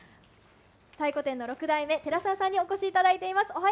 太鼓店の６代目、寺澤さんにお越しいただいています。